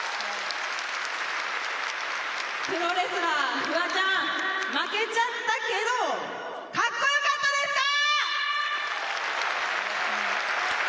プロレスラー、フワちゃん、負けちゃったけど、かっこよかったですかー？